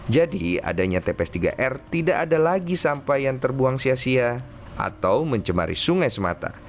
jadi adanya tps tiga r tidak ada lagi sampah yang terbuang sia sia atau mencemari sungai semata